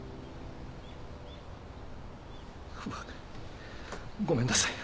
うわ。ごめんなさい。